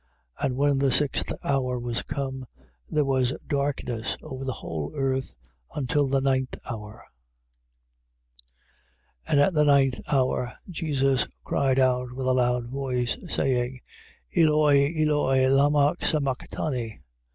15:33. And when the sixth hour was come, there was darkness over the whole earth until the ninth hour. 15:34. And at the ninth hour, Jesus cried out with a loud voice, saying: Eloi, Eloi, lamma sabacthani?